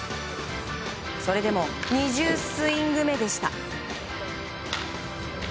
それでも２０スイング目でした。